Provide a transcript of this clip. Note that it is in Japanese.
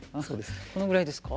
このぐらいですか？